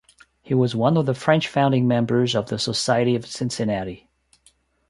He was one of the French founding members of the Society of Cincinnati.